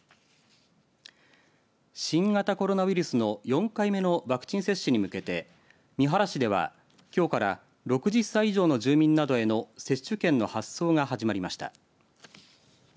新型コロナウイルスの４回目のワクチン接種に向けて三原市では、きょうから６０歳以上の住民などへの接種券の発送が始まりました。